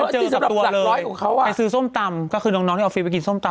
จะเป็นคนอื่นชื่ออื่นได้ยังไงแหละคะมา